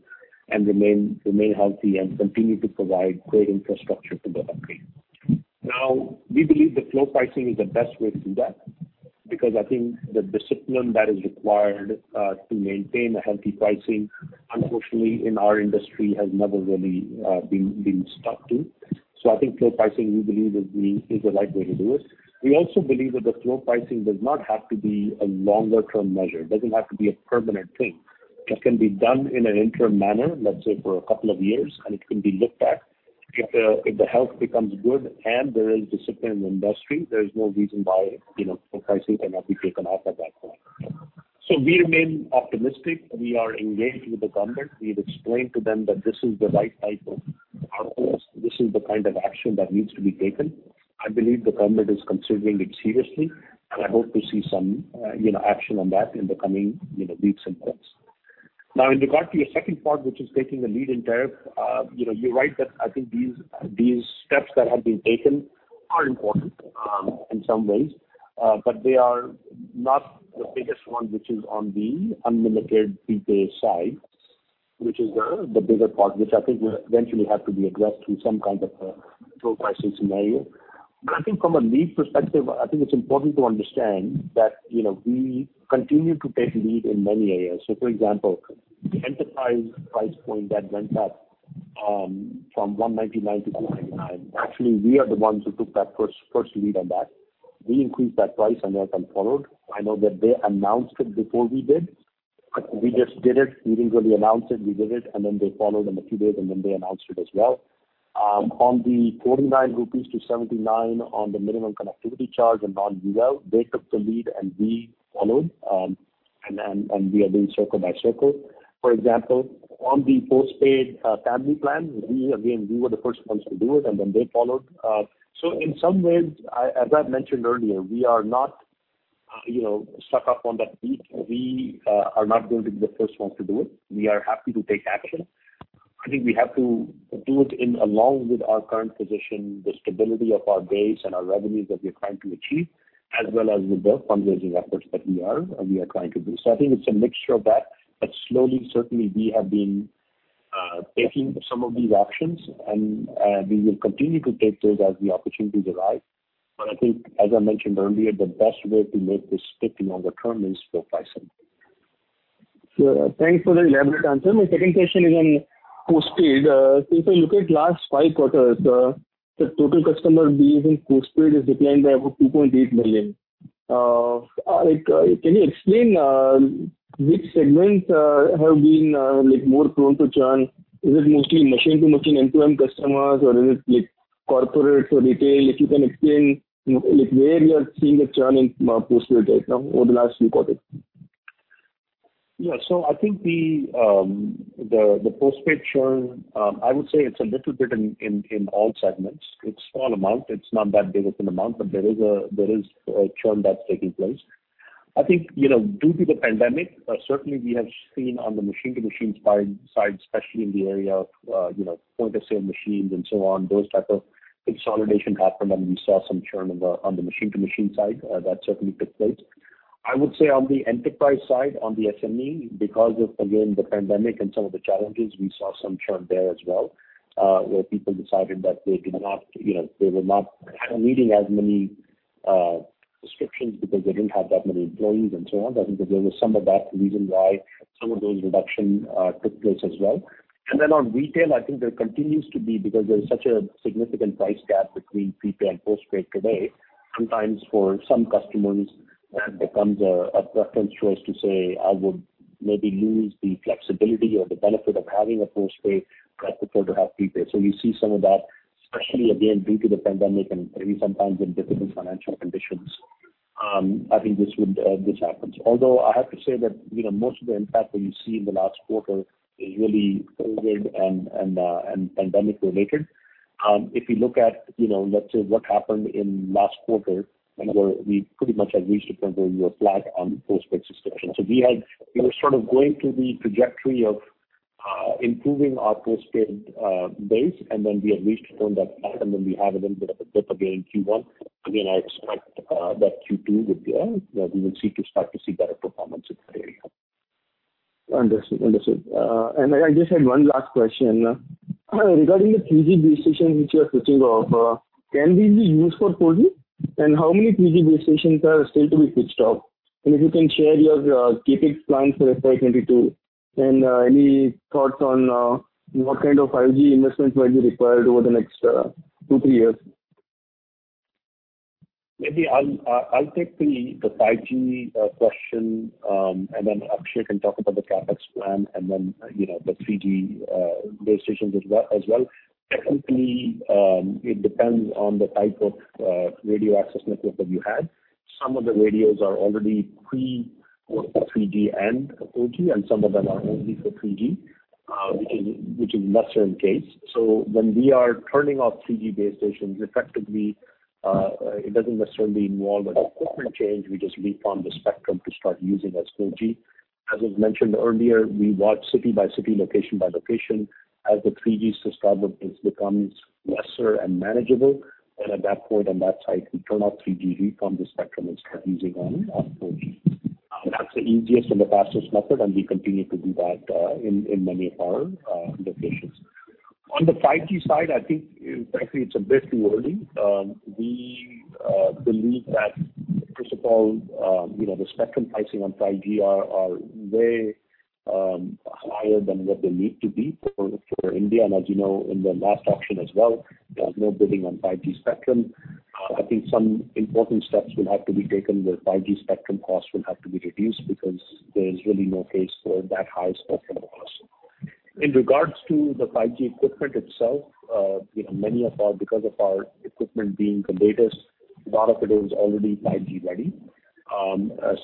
and remain healthy and continue to provide great infrastructure to the country. We believe that flow pricing is the best way to do that, because I think the discipline that is required to maintain a healthy pricing, unfortunately, in our industry, has never really been stuck to. I think flow pricing, we believe, is the right way to do it. We also believe that the flow pricing does not have to be a longer-term measure. It doesn't have to be a permanent thing. It can be done in an interim manner, let's say, for couple of years, and it can be looked at. If the health becomes good and there is discipline in the industry, there is no reason why flow pricing cannot be taken off at that point. We remain optimistic. We are engaged with the government. We've explained to them that this is the right type of approach. This is the kind of action that needs to be taken. I believe the government is considering it seriously, and I hope to see some action on that in the coming weeks and months. In regard to your second part, which is taking the lead in tariff, you're right that I think these steps that have been taken are important in some ways, but they are not the biggest one, which is on the unlimited prepaid side, which is the bigger part, which I think will eventually have to be addressed through some kind of a flow pricing scenario. I think from a lead perspective, I think it's important to understand that we continue to take lead in many areas. For example, the enterprise price point that went up from 199-299, actually, we are the ones who took that first lead on that. We increased that price, and Airtel followed. I know that they announced it before we did. We just did it. We didn't really announce it. We did it, and then they followed in a few days, and then they announced it as well. On the 49-79 rupees on the minimum connectivity charge and non-data, they took the lead, and we followed, and we are doing circle by circle. For example, on the postpaid family plan, we were the first ones to do it, and then they followed. In some ways, as I've mentioned earlier, we are not stuck up on that beat. We are not going to be the first one to do it. We are happy to take action. I think we have to do it along with our current position, the stability of our base and our revenues that we are trying to achieve, as well as with the fundraising efforts that we are trying to do. I think it's a mixture of that, but slowly, certainly, we have been taking some of these options and we will continue to take those as the opportunities arise. I think, as I mentioned earlier, the best way to make this stick in the long-term is through pricing. Sure. Thanks for the elaborate answer. My second question is on postpaid. If I look at last five quarters, the total customer base in postpaid has declined by about 2.8 million. Can you explain which segments have been more prone to churn? Is it mostly machine-to-machine M2M customers, or is it corporate to retail? If you can explain, where we are seeing a churn in postpaid right now over the last few quarters? I think the postpaid churn, I would say it's a little bit in all segments. It's small amount. It's not that big of an amount, but there is a churn that's taking place. I think, due to the pandemic, certainly we have seen on the machine-to-machine side, especially in the area of point-of-sale machines and so on, those type of consolidation happened, and we saw some churn on the machine-to-machine side. That certainly took place. I would say on the enterprise side, on the SME, because of, again, the pandemic and some of the challenges, we saw some churn there as well, where people decided that they were not kind of needing as many subscriptions because they didn't have that many employees and so on. I think that there was some of that reason why some of those reduction took place as well. On retail, I think there continues to be, because there is such a significant price gap between prepaid and postpaid today, sometimes for some customers, that becomes a preference choice to say, "I would maybe lose the flexibility or the benefit of having a postpaid, but I prefer to have prepaid." You see some of that, especially again, due to the pandemic and maybe sometimes in difficult financial conditions. I think this happens. Although I have to say that most of the impact that you see in the last quarter is really COVID and pandemic-related. If you look at, let's say, what happened in last quarter, where we pretty much had reached a point where we were flat on postpaid subscriptions. We were sort of going through the trajectory of improving our postpaid base, and then we have reached on that platform, and we have a little bit of a dip again in Q1. I expect that Q2 we will seek to start to see better performance in that area. Understood. I just had one last question. Regarding the 3G base stations which you are switching off, can these be used for 4G? How many 3G base stations are still to be switched off? If you can share your CapEx plans for FY 2022, and any thoughts on what kind of 5G investments might be required over the next two, three years. Maybe I'll take the 5G question, and then Akshaya can talk about the CapEx plan and then the 3G base stations as well. Technically, it depends on the type of radio access network that you had. Some of the radios are already pre for 3G and 4G, and some of them are only for 3G, which is lesser in case. When we are turning off 3G base stations, effectively, it doesn't necessarily involve an equipment change. We just re-farm the spectrum to start using as 4G. As was mentioned earlier, we watch city by city, location by location. As the 3G subscriber base becomes lesser and manageable, then at that point on that site, we turn off 3G, re-farm the spectrum, and start using on our 4G. That's the easiest and the fastest method, and we continue to do that in many of our locations. On the 5G side, I think frankly it's a bit too early. We believe that first of all, the spectrum pricing on 5G are way higher than what they need to be for India. As you know, in the last auction as well, there was no bidding on 5G spectrum. I think some important steps will have to be taken where 5G spectrum costs will have to be reduced because there is really no case for that high spectrum cost. In regards to the 5G equipment itself, because of our equipment being the latest, a lot of it is already 5G ready.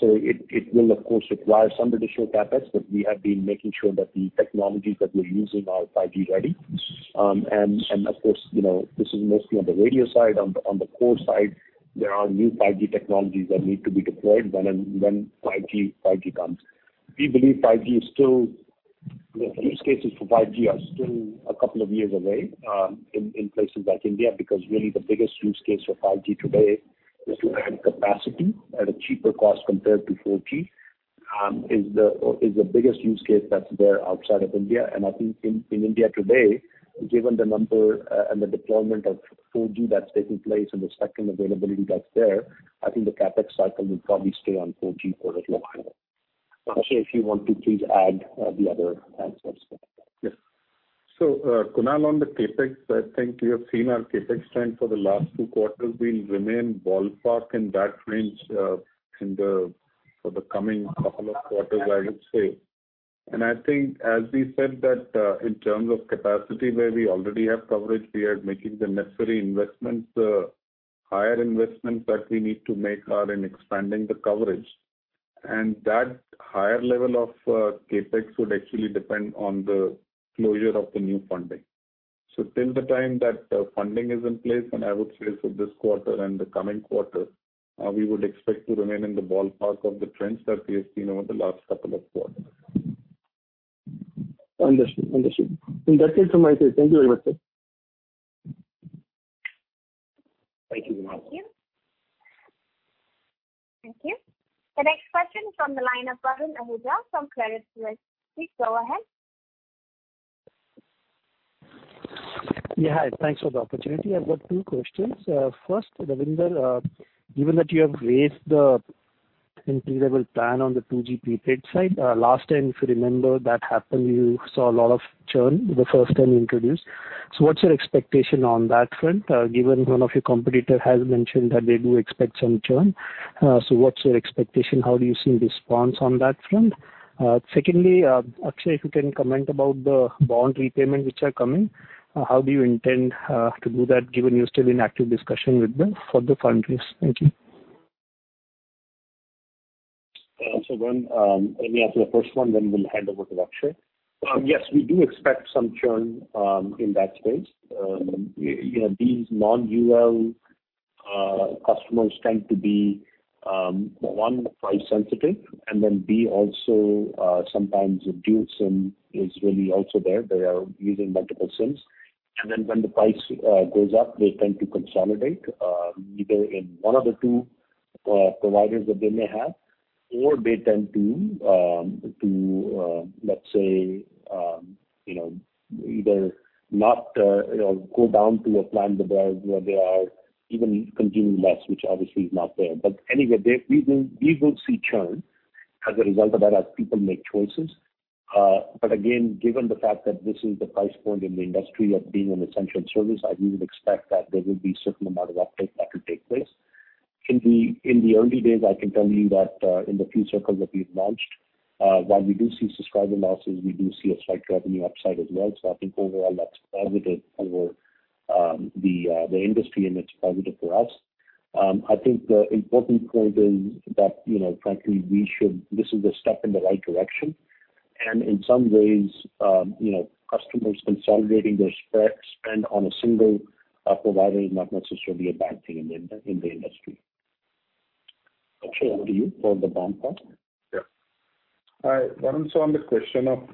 It will of course require some additional CapEx, but we have been making sure that the technologies that we're using are 5G ready. Of course, this is mostly on the radio side. On the core side, there are new 5G technologies that need to be deployed when 5G comes. The use cases for 5G are still two years away in places like India, because really the biggest use case for 5G today is to add capacity at a cheaper cost compared to 4G, is the biggest use case that's there outside of India. I think in India today, given the number and the deployment of 4G that's taking place and the spectrum availability that's there, I think the CapEx cycle will probably stay on 4G for a little while. Akshaya, if you want to please add the other aspects of that. Yes. Kunal, on the CapEx, I think we have seen our CapEx trend for the last two quarters. We'll remain ballpark in that range for the coming couple of quarters, I would say. I think, as we said that, in terms of capacity where we already have coverage, we are making the necessary investments. The higher investments that we need to make are in expanding the coverage. That higher level of CapEx would actually depend on the closure of the new funding. Till the time that funding is in place, and I would say for this quarter and the coming quarter, we would expect to remain in the ballpark of the trends that we have seen over the last couple of quarters. Understood. That's it from my side. Thank you very much, sir. Thank you. Thank you. Thank you. The next question from the line of Varun Ahuja from Credit Suisse. Please go ahead. Yeah. Hi. Thanks for the opportunity. I've got two questions. First, Ravinder, given that you have raised the entry-level plan on the 2 GB prepaid side, last time, if you remember, that happened, you saw a lot of churn the first time you introduced. What's your expectation on that front, given 1 of your competitor has mentioned that they do expect some churn? What's your expectation? How do you see response on that front? Secondly, Akshay, if you can comment about the bond repayments which are coming. How do you intend to do that given you're still in active discussion with them for the fundraise? Thank you. Varun, let me answer the first one, then we'll hand over to Akshay. Yes, we do expect some churn in that space. These non-UL customers tend to be, one, price-sensitive, and then, be also, sometimes a dual SIM is really also there. They are using multiple SIMs. When the price goes up, they tend to consolidate, either in one of the two providers that they may have, or they tend to, let's say, either go down to a plan where they are even consuming less, which obviously is not there. We would see churn as a result of that as people make choices. Given the fact that this is the price point in the industry of being an essential service, we would expect that there will be certain amount of uptake that will take place. In the early days, I can tell you that in the few circles that we've launched, while we do see subscriber losses, we do see a slight revenue upside as well. I think overall, that's positive for the industry and it's positive for us. I think the important point is that, frankly, this is a step in the right direction. In some ways, customers consolidating their spend on a single provider is not necessarily a bad thing in the industry. Akshay, over to you for the bond part. Varun, on the question of,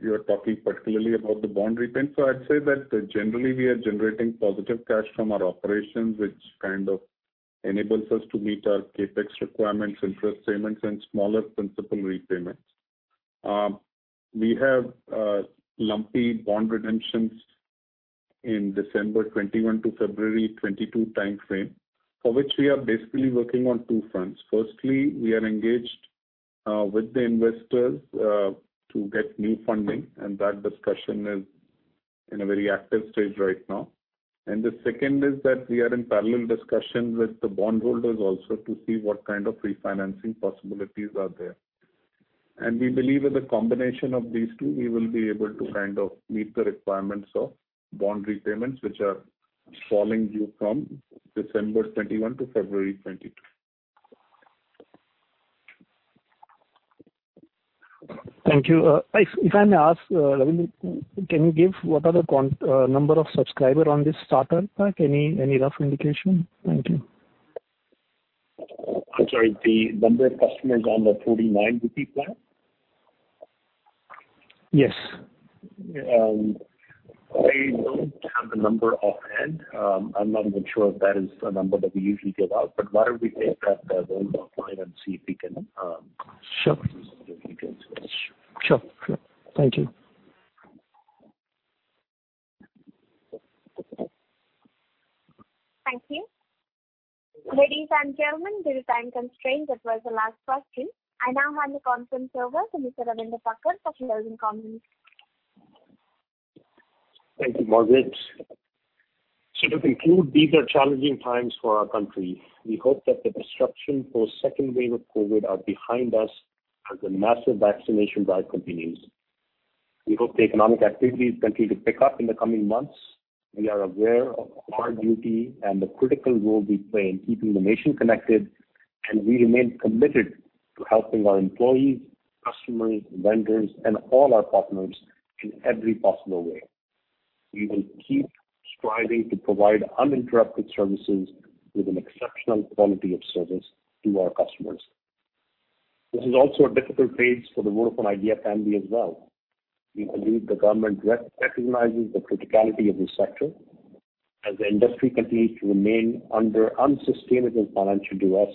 you're talking particularly about the bond repayments. I'd say that generally, we are generating positive cash from our operations, which kind of enables us to meet our CapEx requirements, interest payments, and smaller principal repayments. We have lumpy bond redemptions in December 2021 to February 2022 timeframe, for which we are basically working on two fronts. Firstly, we are engaged with the investors to get new funding, and that discussion is in a very active stage right now. The second is that we are in parallel discussions with the bondholders also to see what kind of refinancing possibilities are there. We believe with a combination of these two, we will be able to meet the requirements of bond repayments, which are falling due from December 2021 to February 2022. Thank you. If I may ask, Ravinder, can you give what are the number of subscriber on this starter pack? Any rough indication? Thank you. I'm sorry, the number of customers on the 49 rupee plan? Yes. I don't have the number offhand. I'm not even sure if that is a number that we usually give out. Why don't we take that offline. Sure give you those details. Sure. Thank you. Thank you. Ladies and gentlemen, due to time constraint, that was the last question. I now hand the conference over to Mr. Ravinder Takkar for closing comments. Thank you, Margaret. To conclude, these are challenging times for our country. We hope that the disruption for second wave of COVID are behind us as the massive vaccination drive continues. We hope the economic activities continue to pick up in the coming months. We are aware of our duty and the critical role we play in keeping the nation connected, and we remain committed to helping our employees, customers, vendors, and all our partners in every possible way. We will keep striving to provide uninterrupted services with an exceptional quality of service to our customers. This is also a difficult phase for the Vodafone Idea family as well. We believe the government recognizes the criticality of this sector. As the industry continues to remain under unsustainable financial duress,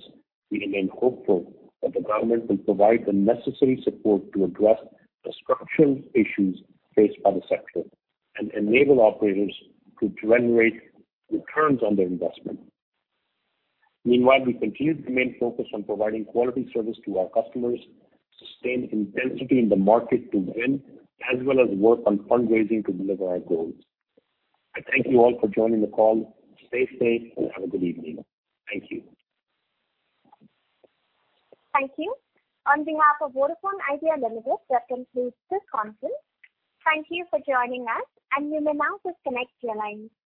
we remain hopeful that the government will provide the necessary support to address the structural issues faced by the sector and enable operators to generate returns on their investment. Meanwhile, we continue to remain focused on providing quality service to our customers, sustain intensity in the market to win, as well as work on fundraising to deliver our goals. I thank you all for joining the call. Stay safe and have a good evening. Thank you. Thank you. On behalf of Vodafone Idea Limited, that concludes this conference. Thank you for joining us, and you may now disconnect your lines.